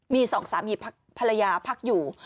มีสองสามีภรรยาพักอยู่